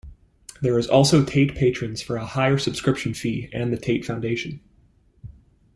There is also Tate Patrons for a higher subscription fee and the Tate Foundation.